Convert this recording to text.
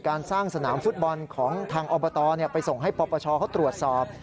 การสร้างสนามฟุตบอลของทางอบตไปส่งให้ปปชเขาตรวจสอบ